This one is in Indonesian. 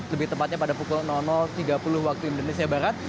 lebih tepatnya pada pukul tiga puluh waktu indonesia barat